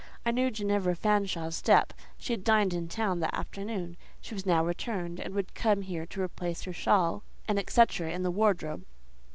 I knew Ginevra Fanshawe's step: she had dined in town that afternoon; she was now returned, and would come here to replace her shawl, &c. in the wardrobe.